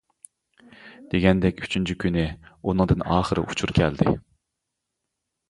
دېگەندەك، ئۈچىنچى كۈنى ئۇنىڭدىن ئاخىرى ئۇچۇر كەلدى.